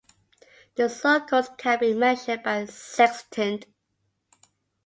The circles can be measured by sextant.